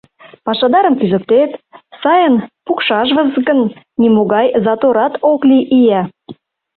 Пашадарым кӱзыктет, сайын пукшашвыз гын, нимогай заторат ок лий ие.